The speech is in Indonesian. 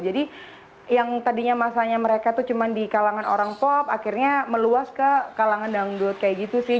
jadi yang tadinya masanya mereka tuh cuman di kalangan orang pop akhirnya meluas ke kalangan dangdut kayak gitu sih